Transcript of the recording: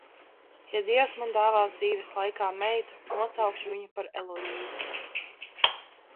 Ja Dievs man dāvās dzīves laikā meitu, nosaukšu viņu par Eloīzu.